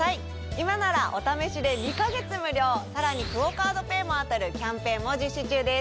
今ならお試しで２か月無料さらにＱＵＯカードＰａｙも当たるキャンペーンも実施中です。